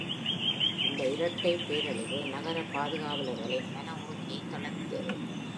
இந்த இரட்டை பேரழிவு நகர பாதுகாவலர்களின் மன உறுதியை தளர்த்தியது.